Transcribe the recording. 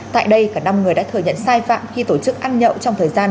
tại đây cả năm người đã thừa nhận sai phạm khi tổ chức ăn nhậu trong thời gian